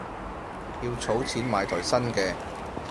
要儲錢買台新嘅